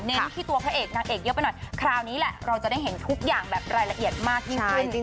ที่ตัวพระเอกนางเอกเยอะไปหน่อยคราวนี้แหละเราจะได้เห็นทุกอย่างแบบรายละเอียดมากยิ่งขึ้น